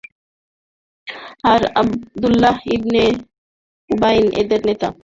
আর Abdullah ibn Ubai এদের নেতা।